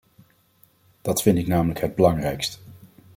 Dat vind ik namelijk het belangrijkst.